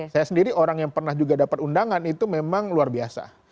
saya sendiri orang yang pernah juga dapat undangan itu memang luar biasa